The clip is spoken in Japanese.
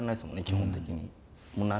基本的に。